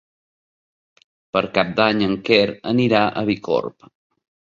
Per Cap d'Any en Quer anirà a Bicorb.